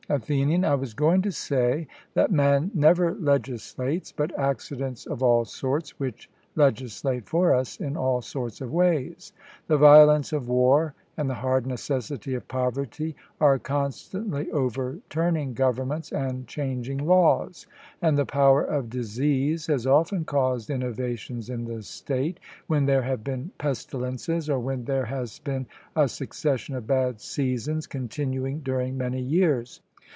ATHENIAN: I was going to say that man never legislates, but accidents of all sorts, which legislate for us in all sorts of ways. The violence of war and the hard necessity of poverty are constantly overturning governments and changing laws. And the power of disease has often caused innovations in the state, when there have been pestilences, or when there has been a succession of bad seasons continuing during many years.